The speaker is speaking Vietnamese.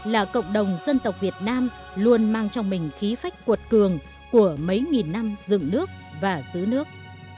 là cộng đồng dân tộc việt nam luôn mang trong mình khí phách cuột cường của mấy nghìn năm dựng nước và giữ nước